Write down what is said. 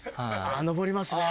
上りますね。